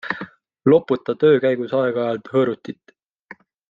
Loputa töö käigus aeg-ajalt hõõrutit.